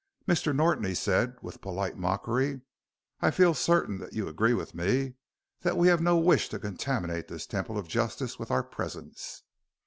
"Mr. Norton," he said with polite mockery, "I feel certain that you agree with me that we have no wish to contaminate this temple of justice with our presence."